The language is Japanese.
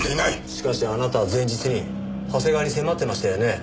しかしあなたは前日に長谷川に迫ってましたよね？